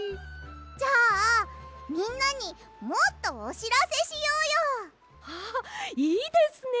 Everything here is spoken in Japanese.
じゃあみんなにもっとおしらせしようよ！ああいいですね！